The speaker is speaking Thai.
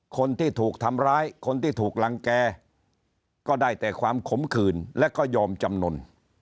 คนที่ถูกทำร้ายคนที่ถูกรังแก่ก็ได้แต่ความขมขื่นและก็ยอมจำนวน